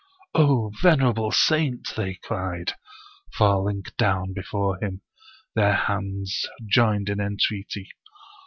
"Oh, venerable saint!" they cried, falling down before him, their hands joined in entreaty.